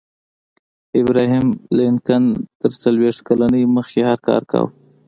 ابراهم لینکن تر څلویښت کلنۍ مخکې هر کار کاوه